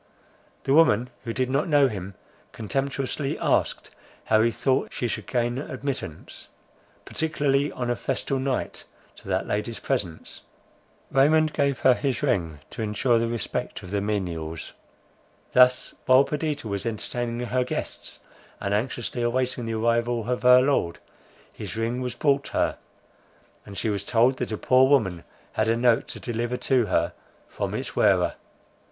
The woman, who did not know him, contemptuously asked, how he thought she should gain admittance, particularly on a festal night, to that lady's presence? Raymond gave her his ring to ensure the respect of the menials. Thus, while Perdita was entertaining her guests, and anxiously awaiting the arrival of her lord, his ring was brought her; and she was told that a poor woman had a note to deliver to her from its wearer.